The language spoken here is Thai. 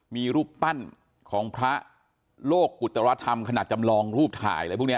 มีรูปปั้นของพระโลกกุตรธรรมขนาดจำลองรูปถ่ายอะไรพวกนี้